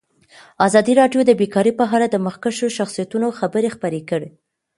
ازادي راډیو د بیکاري په اړه د مخکښو شخصیتونو خبرې خپرې کړي.